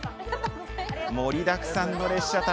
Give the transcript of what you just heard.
盛りだくさんの列車旅